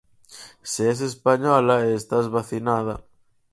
Se es española e estás vacinada...